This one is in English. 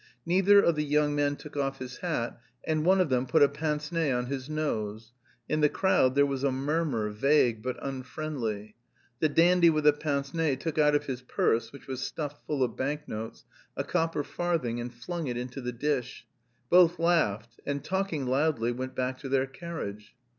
Neither of the young men took off his hat, and one of them put a pince nez on his nose. In the crowd there was a murmur, vague but unfriendly. The dandy with the pince nez took out of his purse, which was stuffed full of bank notes, a copper farthing and flung it into the dish. Both laughed, and, talking loudly, went back to their carriage.